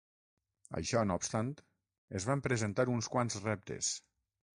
Això no obstant, es van presentar uns quants reptes.